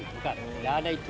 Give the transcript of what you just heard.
bukan tidak ada itu